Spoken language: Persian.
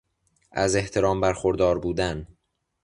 از احترام بر خوردار بودن